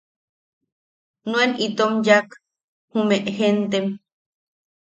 Nuen itom yaak jume jentem.